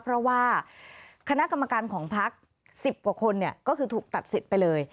เพราะว่าคณะกรรมการของพัก๑๐กว่าคนก็คือถูกตัดสิทธิ์ไปเลย